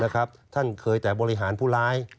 ท่านเคยแต่บริหารผู้ร้าย